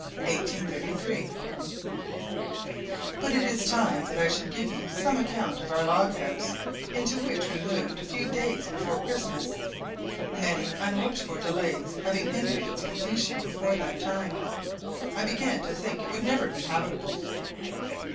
Lake House April 18, 1833 BUT it is time that I should give you some account of our log house, into which we moved a few days before Christmas. Many unlooked for delays having hindered its completion before that time, I began to think it would never be habitable.